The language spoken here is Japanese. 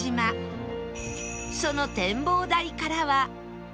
その展望台からは